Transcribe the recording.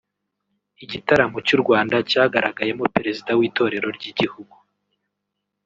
Igitaramo cy’ u Rwanda cyagaragayemo Perezida w’Itorero ry’Igihugu